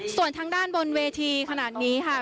ส่วนทางด้านบนเวทีขนาดนี้ค่ะ